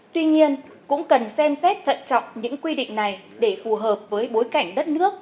tuy nhiên cũng cần xem xét thận trọng những quy định này để phù hợp với bối cảnh đất nước